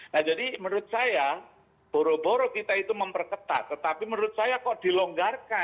nah jadi menurut saya boro boro kita itu memperketat tetapi menurut saya kok dilonggarkan